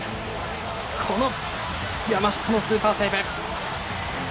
この山下のスーパーセーブ。